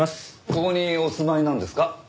ここにお住まいなんですか？